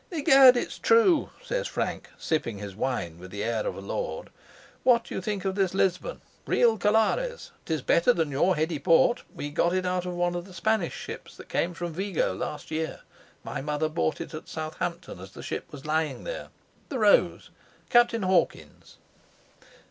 "Egad! it's true," says Frank, sipping his wine with the air of a lord. "What think you of this Lisbon real Collares? 'Tis better than your heady port: we got it out of one of the Spanish ships that came from Vigo last year: my mother bought it at Southampton, as the ship was lying there the 'Rose,' Captain Hawkins."